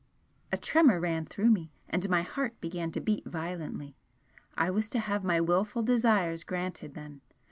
A tremor ran through me, and my heart began to beat violently. I was to have my wilful desires granted, then!